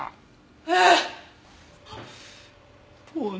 えっ！？